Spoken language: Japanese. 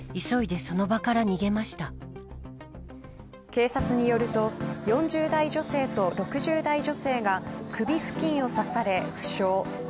警察によると４０代女性と６０代女性が首付近を刺され負傷。